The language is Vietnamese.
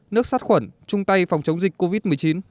nước sát khuẩn chung tay phòng chống dịch covid một mươi chín